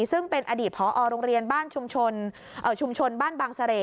ซึ่งเป็นอดีตผอโรงเรียนชุมชนบ้านบาง